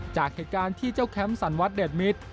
จากเหตุการณ์ที่เจ้าแคมป์สันวัดเดชมิตร